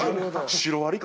「シロアリ２」。